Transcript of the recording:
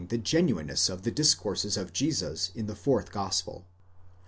383 gepuineness of the discourses of Jesus in the fourth gospel.